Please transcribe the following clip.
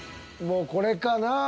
もうこれかなぁ？